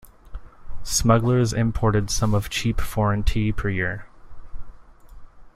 Smugglers imported some of cheap foreign tea per year.